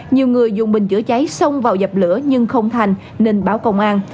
nhiều người dùng bình chữa cháy xông vào dập lửa nhưng không thành nên báo công an